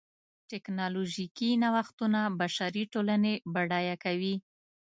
ټکنالوژیکي نوښتونه بشري ټولنې بډایه کوي.